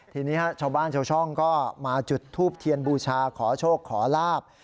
ทีนี้ชาวบ้านชาวช่องก็มาจุดทูบเทียนบูชาขอโชคขอลาบ